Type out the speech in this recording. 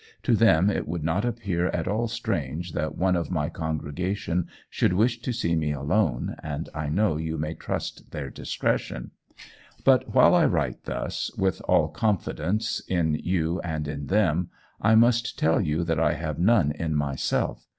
To them it would not appear at all strange that one of my congregation should wish to see me alone, and I know you may trust their discretion. But while I write thus, with all confidence in you and in them, I must tell you that I have none in myself.